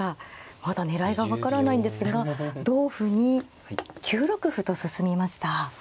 まだ狙いが分からないんですが同歩に９六歩と進みました。